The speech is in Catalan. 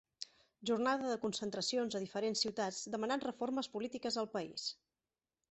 Jornada de concentracions a diferents ciutats demanant reformes polítiques al país.